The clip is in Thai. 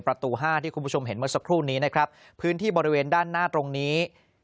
ห้าที่คุณผู้ชมเห็นเมื่อสักครู่นี้นะครับพื้นที่บริเวณด้านหน้าตรงนี้